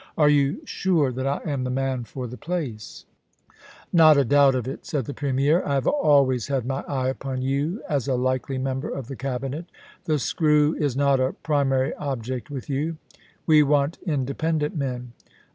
Are you sure that I am the man for the place ?Not a doubt of it/ said the Premier. * I have always had my eye upon you as a likely member of the Cabinet The screw is not a primary object with yoa We want inde pendent men.